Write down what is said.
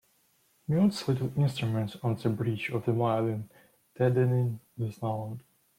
Mutes little instruments on the bridge of the violin, deadening the sound.